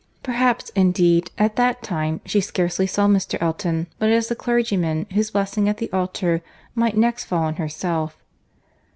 —Perhaps, indeed, at that time she scarcely saw Mr. Elton, but as the clergyman whose blessing at the altar might next fall on herself.